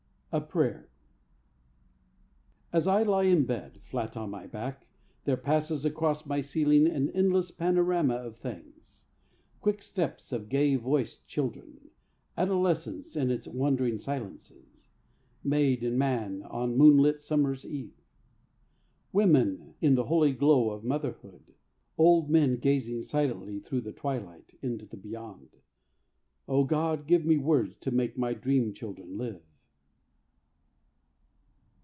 A PRAYER As I lie in bed, Flat on my back; There passes across my ceiling An endless panorama of things Quick steps of gay voiced children, Adolescence in its wondering silences, Maid and man on moonlit summer's eve, Women in the holy glow of Motherhood, Old men gazing silently thru the twilight Into the beyond. O God, give me words to make my dream children live.